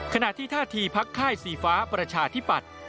ขณะที่ท่าทีพักค่ายสีฟ้าประชาธิปัตย์